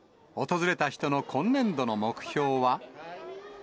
訪れた人の今年度の目標は。